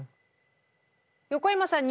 横山さん